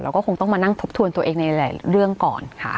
ก็คงต้องมานั่งทบทวนตัวเองในหลายเรื่องก่อนค่ะ